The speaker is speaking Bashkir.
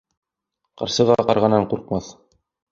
Ҡарсыға ҡарғанан ҡурҡмаҫ.